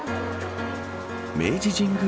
明治神宮